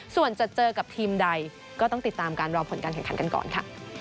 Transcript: ส่วนจะเจอกับทีมใดก็ต้องติดตามการรอผลการแข่งขันกันก่อนค่ะ